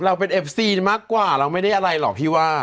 เราเป็นเอฟซีมากกว่าเราไม่ได้อะไรหรอกพี่ว่า